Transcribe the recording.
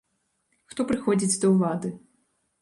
Хто прыходзіць да ўлады?